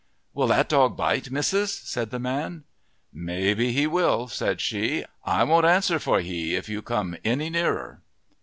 "Will that dog bite, missus?" said the man. "Maybe he will," said she. "I won't answer for he if you come any nearer."